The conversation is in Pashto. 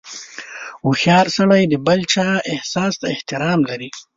• هوښیار سړی د بل چا احساس ته احترام لري.